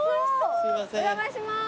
お邪魔します。